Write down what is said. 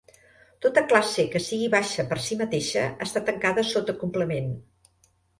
Tota classe que sigui baixa per si mateixa està tancada sota complement.